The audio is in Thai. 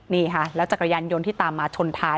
นี่ค่ะแล้วจักรยานยนต์ที่ตามมาชนท้าย